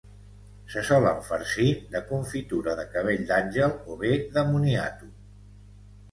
Se solen farcir de confitura de cabell d'àngel o bé de moniato.